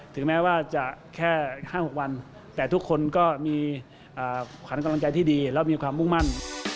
ถึงแม้ว่าจะแค่๕๖วันแต่ทุกคนก็มีขวัญกำลังใจที่ดีและมีความมุ่งมั่น